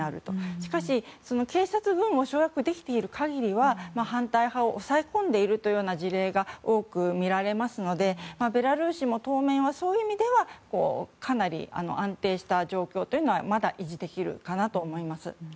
しかし、警察、軍を掌握できている限りは反対派を抑え込んでいるというような事例が多く見られますのでベラルーシは、当面そういう意味では安定した状況は維持できるかなと思います。